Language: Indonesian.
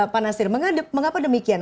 pak nasir mengapa demikian